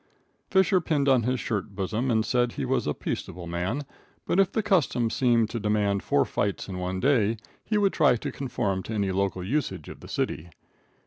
Visscher pinned on his shirt bosom and said he was a peaceable man, but if the custom seemed to demand four fights in one day, he would try to conform to any local usage of the city.